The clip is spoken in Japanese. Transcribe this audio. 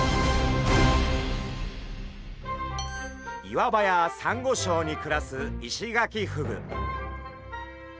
岩場やサンゴ礁に暮らすイシガキフグ。